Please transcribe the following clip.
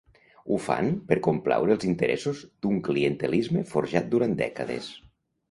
Ho fan per complaure els interessos d’un clientelisme forjat durant dècades?